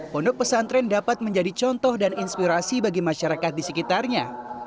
pondok pesantren dapat menjadi contoh dan inspirasi bagi masyarakat di sekitarnya